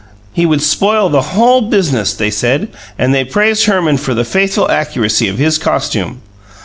He would "spoil the whole biznuss", they said, and they praised Herman for the faithful accuracy of his costume.